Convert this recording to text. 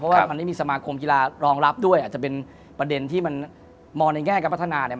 ว่ามันไม่มีสมาคมกีฬารองรับด้วยอาจจะเป็นประเด็นที่มันมองในแง่การพัฒนาเนี่ย